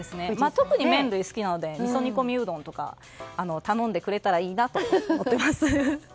特に麺類が好きなのでみそ煮込みうどんとか頼んでくれたらいいなと思っています。